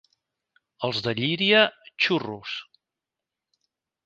Els de Llíria, xurros.